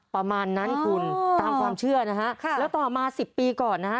ประมาณนั้นคุณตามความเชื่อนะฮะค่ะแล้วต่อมาสิบปีก่อนนะฮะ